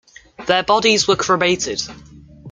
Their bodies were cremated.